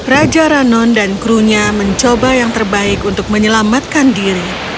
raja ranon dan krunya mencoba yang terbaik untuk menyelamatkan diri